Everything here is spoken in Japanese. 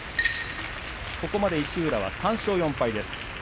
ここまで石浦は３勝４敗です。